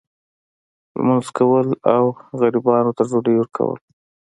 لمونځ کول او غریبانو ته ډوډۍ ورکول.